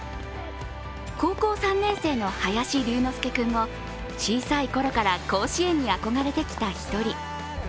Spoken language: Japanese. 高校３年生の林龍之介君も小さい頃から甲子園にあこがれてきた１人。